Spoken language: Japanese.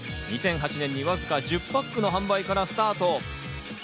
２００８年にわずか１０パックの販売からスタート。